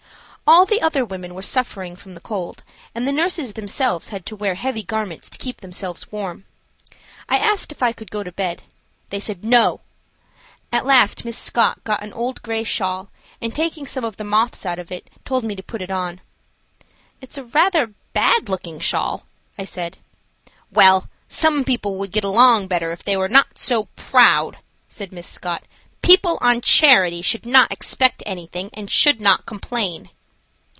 All the other women were suffering from the cold, and the nurses themselves had to wear heavy garments to keep themselves warm. I asked if I could go to bed. They said "No!" At last Miss Scott got an old gray shawl, and shaking some of the moths out of it, told me to put it on. "It's rather a bad looking shawl," I said. "Well, some people would get along better if they were not so proud," said Miss Scott. "People on charity should not expect anything and should not complain."